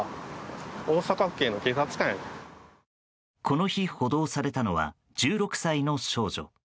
この日、補導されたのは１６歳の少女。